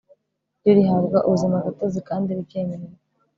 ryo rihabwa ubuzimagatozi kandi rikemererwa